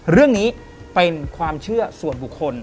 เรื่องนี้เป็นความเชื่อส่วนบุคคล